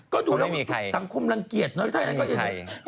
ก็ดูสังคมรังเกียจนะถ้าอย่างนั้นก็อีกหน่อย